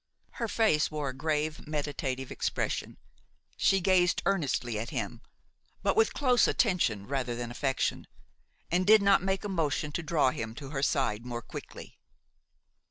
Her face wore a grave, meditative expression: she gazed earnestly at him, but with close attention rather than affection, and did not make a motion to draw him to her side more quickly.